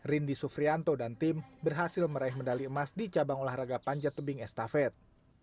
rindy sufrianto dan tim berhasil meraih medali emas di cabang olahraga panjat tebing estafet